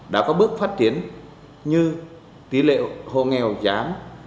đã có bước phát triển như tỷ lệ hộ nghèo giảm